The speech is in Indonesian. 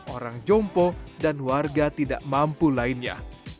orang jompo dan warga tidak mampu lainnya